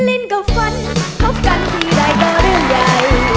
เล่นกับฟันคบกันทีใดก็เรื่องใหญ่